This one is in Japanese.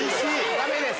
ダメです！